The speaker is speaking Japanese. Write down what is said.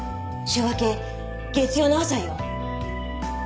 週明け月曜の朝よ。